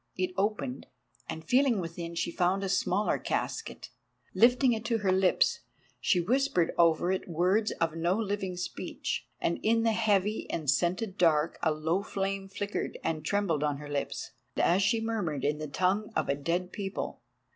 It opened, and feeling within she found a smaller casket. Lifting it to her lips she whispered over it words of no living speech, and in the heavy and scented dark a low flame flickered and trembled on her lips, as she murmured in the tongue of a dead people.